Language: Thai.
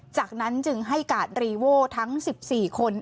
จากนั้นจึงให้กาดรีโว่ทั้ง๑๔คน